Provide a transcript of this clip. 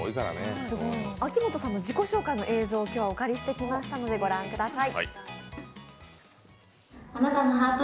秋元さんの自己紹介の映像をお借りしてきましたので、ご覧ください。